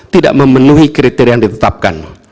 tidak memenuhi kriteria yang ditetapkan